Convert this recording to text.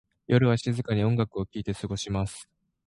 夜は静かに音楽を聴いて過ごします。